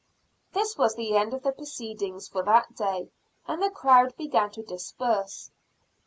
This was the end of the proceedings for that day and the crowd began to disperse.